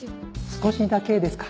少しだけですか。